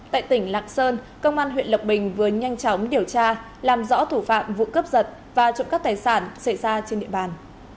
tại tỉnh lạc sơn công an huyện lộc bình vừa nhanh chóng điều tra làm rõ thủ phạm vụ cướp giật và trộm cắp tài sản xảy ra trên địa bàn